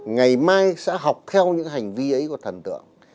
ngày mai sẽ học theo những hành vi ấy có thần tượng